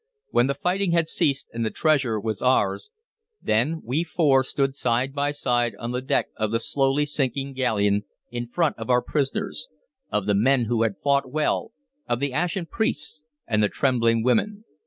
When the fighting had ceased and the treasure was ours, then we four stood side by side on the deck of the slowly sinking galleon, in front of our prisoners, of the men who had fought well, of the ashen priests and the trembling women.